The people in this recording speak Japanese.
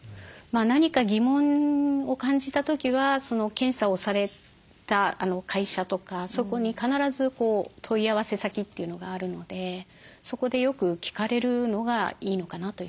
何か疑問を感じた時は検査をされた会社とかそこに必ず問い合わせ先というのがあるのでそこでよく聞かれるのがいいのかなというふうに思います。